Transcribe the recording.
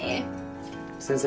先生